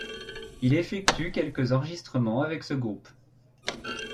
Il effectue quelques enregistrements avec ce groupe.